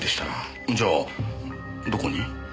じゃあどこに？